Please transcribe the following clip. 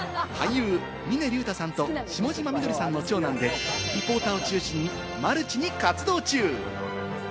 俳優・峰竜太さんと下嶋みどりさんの長男でリポーターを中心にマルチに活動中。